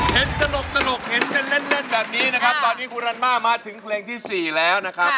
ตอนนี้คุณรันม่ามาถึงเพลงที่๔แล้วนะครับ